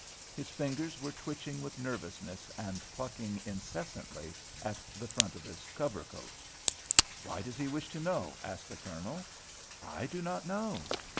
His fingers were twitching with nervousness and plucking incessantly at the front of his cover coat. "Why does he wish to know?" asked the Colonel. "I do not know."